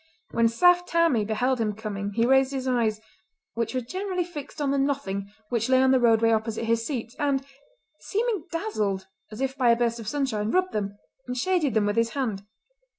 When Saft Tammie beheld him coming he raised his eyes, which were generally fixed on the nothing which lay on the roadway opposite his seat, and, seeming dazzled as if by a burst of sunshine, rubbed them and shaded them with his hand.